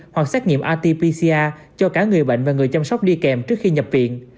hoặc xét nghiệm rt pcr cho cả người bệnh và người chăm sóc đi kèm trước khi nhập viện